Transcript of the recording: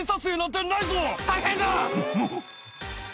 ・大変だ！